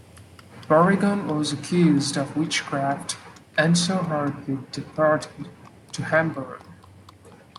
Bourignon was accused of witchcraft and so hurriedly departed to Hamburg.